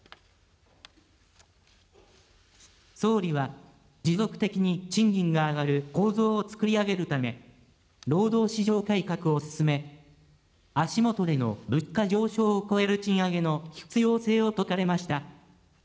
総理は持続的に賃金が上がる構造を作り上げるため、労働市場改革を進め、足下での物価上昇を超える賃上げの必要性を説かれました。